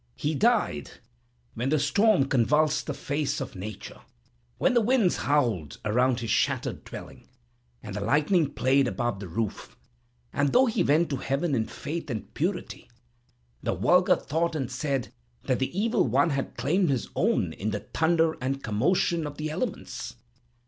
He died when a storm convulsed the face of nature, when the wind howled around his shattered dwelling, and the lightning played above the roof; and though he went to heaven in faith and purity, the vulgar thought and said that the evil one had claimed his own in the thunder and commotion of the elements.